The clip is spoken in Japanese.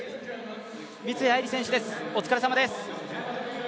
三井愛梨選手です、お疲れさまです